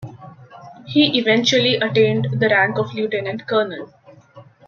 He eventually attained the rank of lieutenant-colonel.